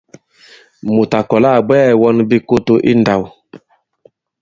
Mùt à kɔ̀la à bwɛɛ̄ wɔn bikoto i ndāw.